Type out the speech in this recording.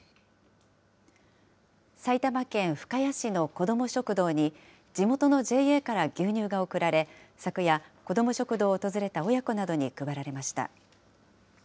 埼玉県深谷市の子ども食堂に、地元のＪＡから牛乳が贈られ、昨夜、子ども食堂を訪れた親子などに配られました。